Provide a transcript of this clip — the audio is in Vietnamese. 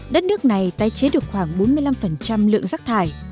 đất nước này tái chế được khoảng bốn mươi năm lượng rác thải